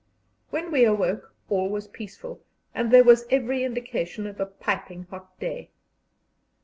When we awoke all was peaceful, and there was every indication of a piping hot day.